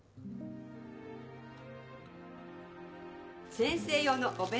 先生用のお弁当箱。